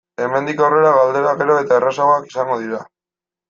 Hemendik aurrera galderak gero eta errazagoak izango dira.